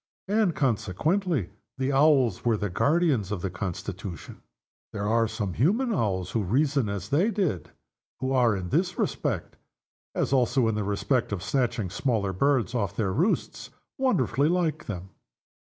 And consequently the Owls were the guardians of the Constitution. There are some human owls who reason as they did, and who are, in this respect as also in respect of snatching smaller birds off their roosts wonderfully like them.